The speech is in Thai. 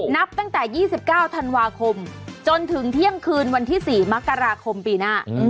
นับตั้งแต่๒๙ธันวาคมจนถึงเที่ยงคืนวันที่๔มกราคมปีหน้า